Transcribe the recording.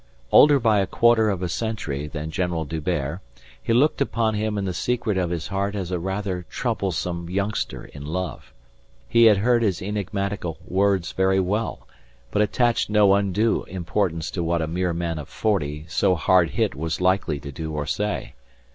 Older by a quarter of a century than General D'Hubert, he looked upon him in the secret of his heart as a rather troublesome youngster in love. He had heard his enigmatical words very well, but attached no undue importance to what a mere man of forty so hard hit was likely to do or say.